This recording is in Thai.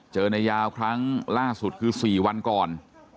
เจอในยาวครั้งล่าสุดคือ๔วันก่อน